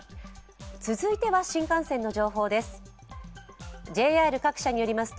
続いては新幹線の情報です。